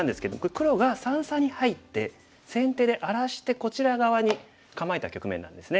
黒が三々に入って先手で荒らしてこちら側に構えた局面なんですね。